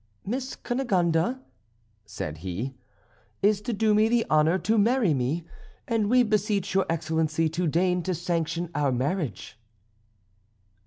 "Miss Cunegonde," said he, "is to do me the honour to marry me, and we beseech your excellency to deign to sanction our marriage."